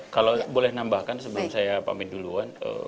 kalau boleh nambahkan sebelum saya pamit duluan